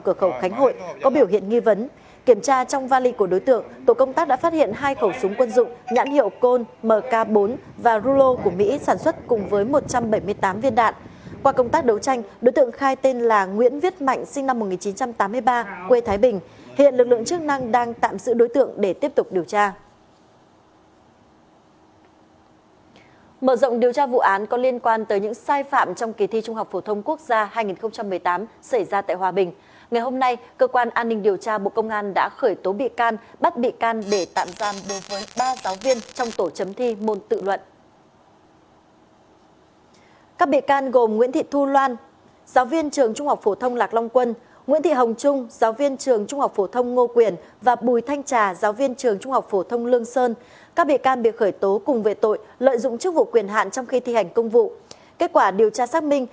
các bị can gồm nguyễn thị thu loan giáo viên trường trung học phổ thông lạc long quân nguyễn thị hồng trung giáo viên trường trung học phổ thông ngô quyền và bùi thanh trà giáo viên trường trung học phổ thông lương sơn